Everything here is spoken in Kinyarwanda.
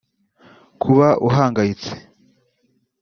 Kuba uhangayitse